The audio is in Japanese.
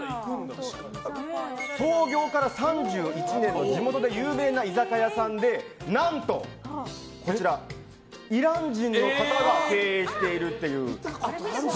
創業から３１年の地元で有名な居酒屋さんで何と、こちらイラン人の方が見たことある！